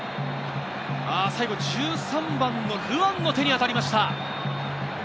最後１３番のルアンの手に当たりました。